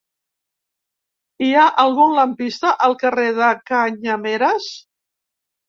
Hi ha algun lampista al carrer de Canyameres?